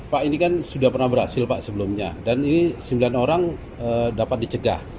pak ini kan sudah pernah berhasil pak sebelumnya dan ini sembilan orang dapat dicegah